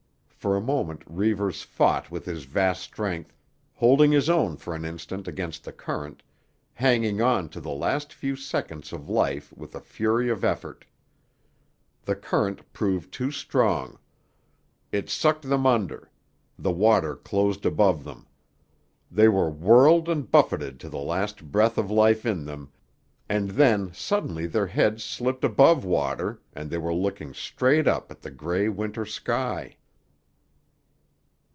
For a moment Reivers fought with his vast strength, holding his own for an instant against the current, hanging on to the last few seconds of life with a fury of effort. The current proved too strong. It sucked them under; the water closed above them. They were whirled and buffeted to the last breath of life in them, and then suddenly their heads slipped above water and they were looking straight up at the gray Winter sky.